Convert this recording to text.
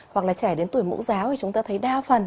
hoặc là trẻ đến tuổi mẫu giáo thì chúng ta thấy đa phần